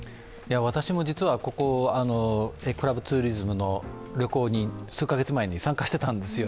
私も実はクラブツーリズムの旅行に数か月前に参加していたんですよ。